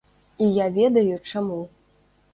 І я ведаю, чаму.